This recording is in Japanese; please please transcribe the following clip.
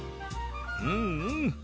うんうん！